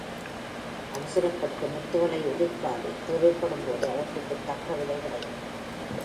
அவசரப்பட்டு முத்துகளை உதிர்க்காதே தேவைப்படும் போது அவற்றுக்குத் தக்க விலை கிடைக்கும்.